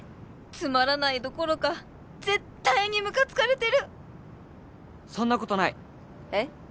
つまらないどころか絶対にムカつかれてるそんなことないえっ？